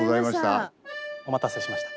お待たせしました。